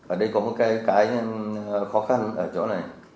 ở đây có một cái khó khăn ở chỗ này